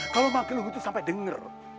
kalau magelung itu sampai denger